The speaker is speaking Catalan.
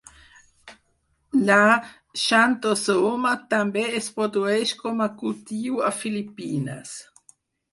La "Xanthosoma" també es produeix com a cultiu a Filipines.